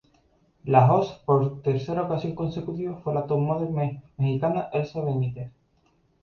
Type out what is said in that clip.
La host por tercera ocasión consecutiva fue la top model mexicana Elsa Benítez.